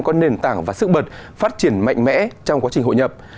có nền tảng và sức bật phát triển mạnh mẽ trong quá trình hội nhập